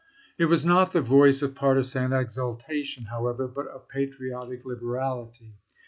It was not the voice of partisan exultation, how ever, but of patriotic liberality.